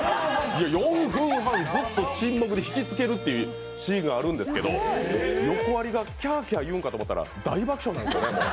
４分半ずっと沈黙で引きつけるというシーンがあるんですけど、横アリがキャーキャー言うのかと思ったら大爆笑なんですよね、もう。